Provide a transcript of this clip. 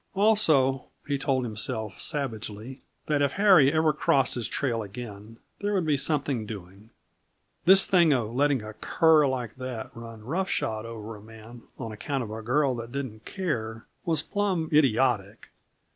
Also, he told himself savagely that if Harry ever crossed his trail again, there would be something doing. This thing of letting a cur like that run roughshod over a man on account of a girl that didn't care was plumb idiotic.